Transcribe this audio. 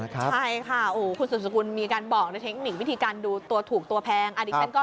ใช่ค่ะคุณสุสกุลมีการบอกวิธีการดูตัวถูกตัวแพง